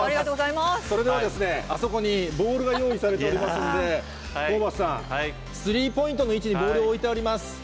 それではですね、あそこにボールが用意されておりますんで、ホーバスさん、スリーポイントの位置にボールを置いてあります。